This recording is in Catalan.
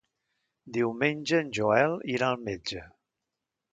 Diumenge en Joel irà al metge.